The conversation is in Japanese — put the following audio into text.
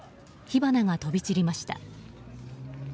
火花が飛び散りました。